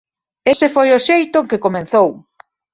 Ese foi o xeito en que comezou".